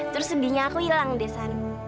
terus sedihnya aku hilang deh sam